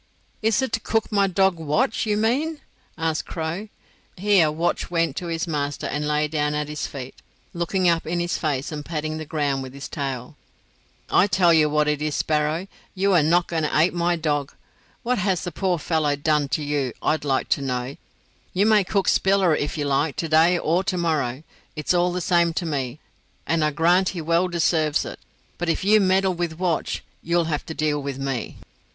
"Is it to cook my dog Watch you mean?" asked Crow. (Here Watch went to his master, and lay down at his feet, looking up in his face and patting the ground with his tail.) "I tell you what it is, Sparrow, you are not going to ate my dog. What has the poor fellow done to you, I'd like to know? You may cook Spiller if you like, to day or to morrow, it's all the same to me and I grant he well deserves it but if you meddle with Watch you'll have to deal with me."